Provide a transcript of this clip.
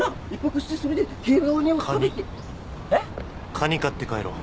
カニ買って帰ろう。